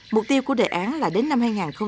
mục tiêu của đề án là đến năm hai nghìn hai mươi